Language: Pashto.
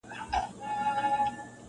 كه مالدار دي كه دهقان دي كه خانان دي-